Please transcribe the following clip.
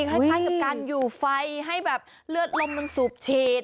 คล้ายกับการอยู่ไฟให้แบบเลือดลมมันสูบฉีด